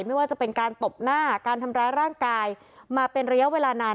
ไม่ว่าจะเป็นการตบหน้าการทำร้ายร่างกายมาเป็นระยะเวลานาน